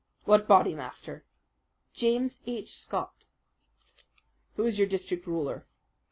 "What Bodymaster?" "James H. Scott." "Who is your district ruler?"